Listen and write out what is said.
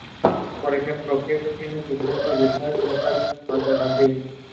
Guiga lives in Tunis.